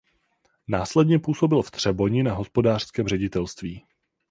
Následně působil v Třeboni na hospodářském ředitelství.